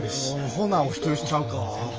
ほなお人よしちゃうか。